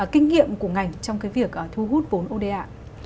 kinh nghiệm của ngành trong cái việc thu hút vốn oda